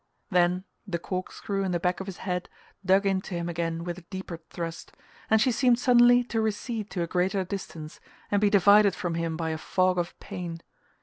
Then the corkscrew in the back of his head dug into him again with a deeper thrust, and she seemed suddenly to recede to a great distance and be divided from him by a fog of pain.